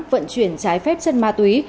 vận chuyển trái phép chân ma túy